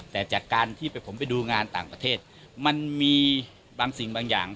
แต่จากการที่ผมไปดูงานต่างประเทศมันมีบางสิ่งบางอย่าง